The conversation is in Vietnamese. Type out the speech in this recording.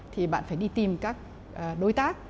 thì bạn phải đi tìm các đối tác